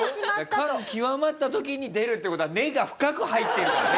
感極まった時に出るって事は根が深く入ってるからね。